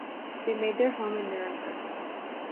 They made their home in Nuremberg.